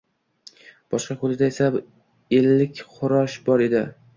Boshqa ko'lida esa ellik qurush bor edi.